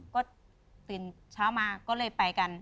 ก็ตื่นเช้ามาก็เลยไปกัน